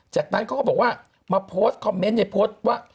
จากนั้นเขาก็บอกว่ามาโพสต์คอมเมนต์ในโพสต์ว่า